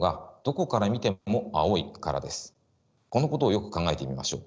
このことをよく考えてみましょう。